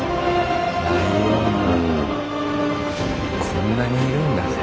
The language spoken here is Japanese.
こんなにいるんだぜ。